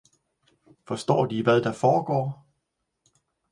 Forstår de hvad det erforstår